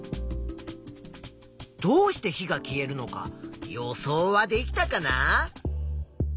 どうして火が消えるのか予想はできたかな？